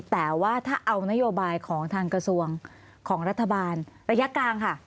แต่ว่าถ้าเอานโยบายของทางกระทรวงของรัฐบาลระยะกลางค่ะ